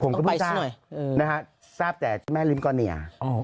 ผมก็ไม่รู้ทราบแต่แม่ริมกอเนีย